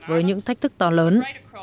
với những thách thức to lớn